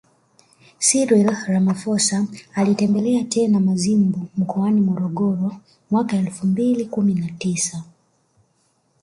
Cyril Ramaphosa alitembelea tena Mazimbu mkoani Morogoro mwaka elfu mbili kumi na tisa